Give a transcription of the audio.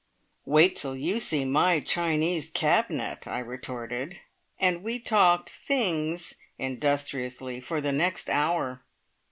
"Wait till you see my Chinese cabinet!" I retorted, and we talked "things" industriously for the next hour.